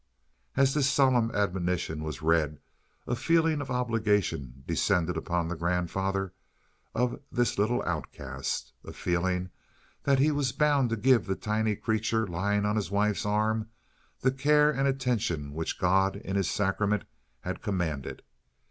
As this solemn admonition was read a feeling of obligation descended upon the grandfather of this little outcast; a feeling that he was bound to give the tiny creature lying on his wife's arm the care and attention which God in His sacrament had commanded.